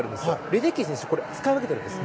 レデッキー選手は使い分けてるんです。